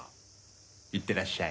いってらっしゃい。